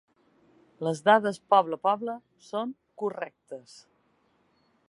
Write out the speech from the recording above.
Les dades poble a poble són correctes.